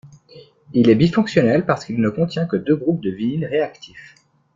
Il est bifonctionnel parce qu'il ne contient que deux groupes vinyl réactifs.